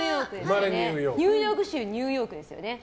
ニューヨーク州ニューヨークですよね。